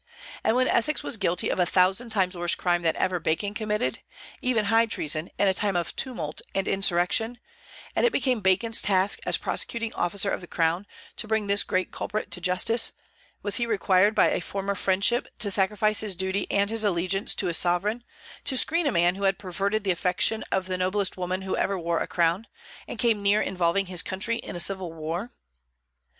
And when Essex was guilty of a thousand times worse crime than ever Bacon committed, even high treason, in a time of tumult and insurrection, and it became Bacon's task as prosecuting officer of the Crown to bring this great culprit to justice, was he required by a former friendship to sacrifice his duty and his allegiance to his sovereign, to screen a man who had perverted the affection of the noblest woman who ever wore a crown, and came near involving his country in a civil war?